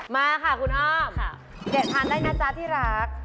มาค่ะคุณอ้อมแกะทานได้นะจ๊ะที่รัก